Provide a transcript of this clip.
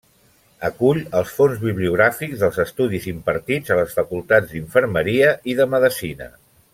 Acull els fons bibliogràfics dels estudis impartits a les Facultats d’Infermeria i de Medicina.